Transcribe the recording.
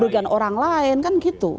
kerugian orang lain kan gitu